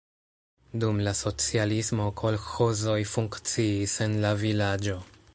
Dum la socialismo kolĥozoj funkciis en la vilaĝo.